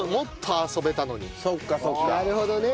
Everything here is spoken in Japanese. なるほどね。